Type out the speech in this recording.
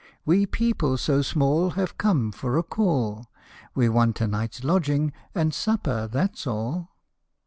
We people so small Have come for a call : We want a night's lodging and supper, that 's all